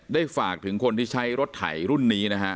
ได้ฝากถึงคนที่ใช้รถไถรุ่นนี้